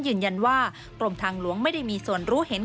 ยืนยันว่ากรมทางหลวงไม่ได้มีส่วนรู้เห็น